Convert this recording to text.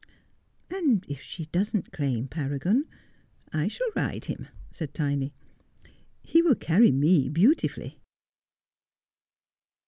'And if she doesn't claim Paragon I shall ride kiin,' said Tiny. ' He will carry me beautifully.'